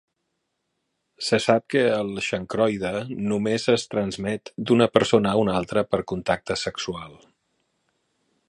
Se sap que el xancroide només es transmet d'una persona a una altra per contacte sexual.